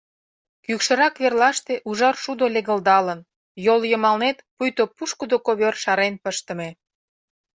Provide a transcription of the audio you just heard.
Кӱкшырак верлаште ужар шудо легылдалын, йол йымалнет пуйто пушкыдо ковёр шарен пыштыме.